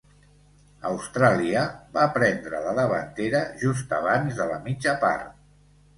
Austràlia va prendre la davantera just abans de la mitja part.